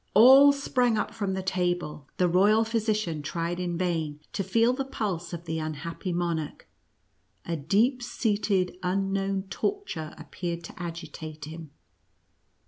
All sprang up from tbe table, the royal physi cian tried in vain to feel the pulse of the un happy monarch, a deep seated, unknown torture appeared to agitate him.